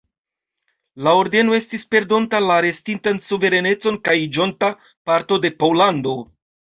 La Ordeno estis perdonta la restintan suverenecon kaj iĝonta parto de Pollando.